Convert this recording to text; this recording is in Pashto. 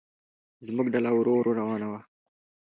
زموږ ډله ورو ورو روانه وه.